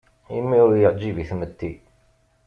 Imi ur yeɛjib i tmetti.